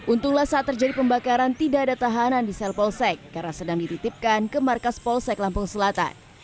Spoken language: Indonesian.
untunglah saat terjadi pembakaran tidak ada tahanan di sel polsek karena sedang dititipkan ke markas polsek lampung selatan